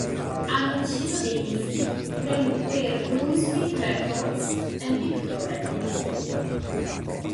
Hanno inciso dei dischi per Brunswick Records e Victor Records.